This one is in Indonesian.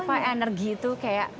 apa energi itu kayak